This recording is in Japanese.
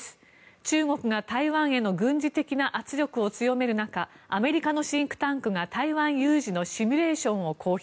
中国が台湾への軍事的な圧力を強める中アメリカのシンクタンクが台湾有事のシミュレーションを公表。